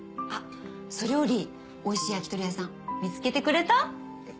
あっそれよりおいしい焼き鳥屋さん見つけてくれた？